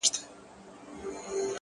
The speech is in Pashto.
د ستني سر چــي د ملا له دره ولـويـــږي،